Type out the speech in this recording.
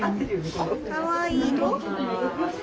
かわいい。